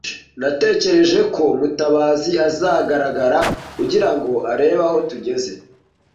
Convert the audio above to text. Natekereje ko Mutabazi azahagarara kugirango arebe aho tugeze.